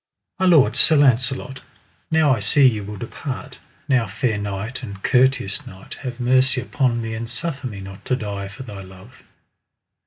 My lord, Sir Launcelot, now I see ye will depart; now fair knight and courteous knight, have mercy upon me, and suffer me not to die for thy love.